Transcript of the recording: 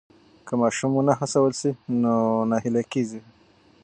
که ماشوم ونه هڅول سي نو ناهیلی کېږي.